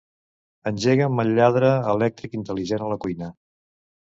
Engega'm el lladre elèctric intel·ligent a la cuina.